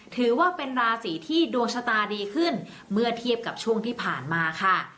ถือว่าเป็นราศีที่ดวงชะตาดีขึ้นเมื่อเทียบกับช่วงที่ผ่านมาค่ะ